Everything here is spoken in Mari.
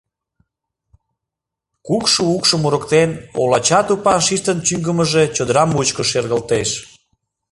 Кукшо укшым мурыктен, олача тупан шиштын чӱҥгымыжӧ чодыра мучко шергылтеш.